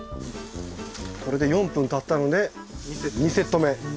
これで４分たったので２セット目。